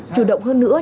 chủ động hơn nữa